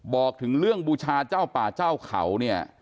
บอกถึงเรื่องบูชาเจ้าป่าเจ้าเขาเนี่ย